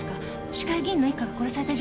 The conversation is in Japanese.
市会議員の一家が殺された事件。